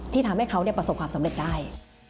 ทำให้เขาประสบความสำเร็จได้